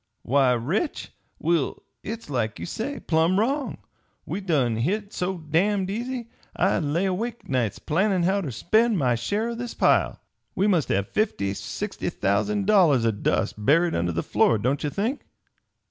Why, rich? Will, hit's like you say, plumb wrong we done hit so damned easy! I lay awake nights plannin' how ter spend my share o' this pile. We must have fifty sixty thousand dollars o' dust buried under the floor, don't ye think?"